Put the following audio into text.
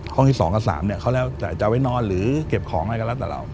ห้องที่๒กับ๓เนี่ยเขาแล้วแต่จะเอาไว้นอนหรือเก็บของอะไรก็แล้วแต่เรา